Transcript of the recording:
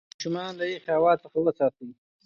ماشومان له یخې هوا څخه وساتئ.